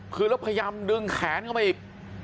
คือแล้วพยายามดึงแขนเข้าไปอีก